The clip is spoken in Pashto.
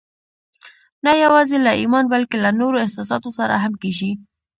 نه يوازې له ايمان بلکې له نورو احساساتو سره هم کېږي.